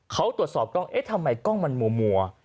เขาตรวจสอบกล้องเอ๊ะทำไมกล้องมันมัว